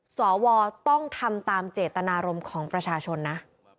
สวต้องทำตามเจตนารมณ์ของประชาชนนะ